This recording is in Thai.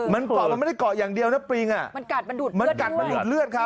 มันเกาะมันไม่ได้เกาะอย่างเดียวนะปริงอ่ะมันกัดมันดูดเลือดด้วย